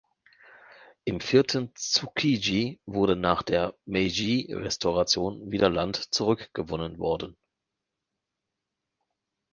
Im Viertel Tsukiji wurde nach der Meiji-Restauration wieder Land zurückgewonnen worden.